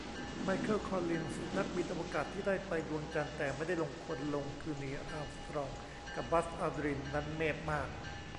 ไมเคิล คอลลินส์ นักบินอวกาศที่ได้ไปดวงจันทร์แต่ไม่ได้ลงคนลงคือนีล อาร์มสตรองกับบัซ อัลดรินนั้นเมพมาก